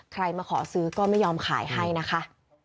มาขอซื้อก็ไม่ยอมขายให้นะคะ